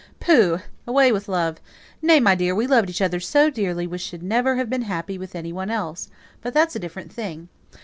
"Pooh! away with love! Nay, my dear, we loved each other so dearly we should never have been happy with any one else; but that's a different thing.